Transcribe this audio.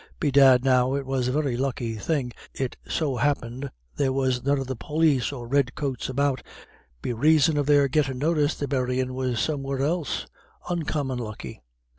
Bedad now it was a very lucky thing it so happint there was none of the pólis or red coats about, be raison of their gettin' notice the buryin' was somewhere else oncommon lucky."